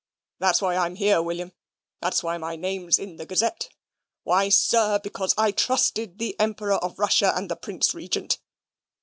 That's why I'm here, William. That's why my name's in the Gazette. Why, sir? because I trusted the Emperor of Russia and the Prince Regent.